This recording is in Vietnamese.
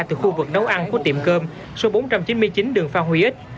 từ khu vực nấu ăn của tiệm cơm số bốn trăm chín mươi chín đường phan huy ích